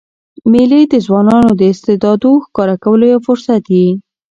مېلې د ځوانانو د استعدادو ښکاره کولو یو فرصت يي.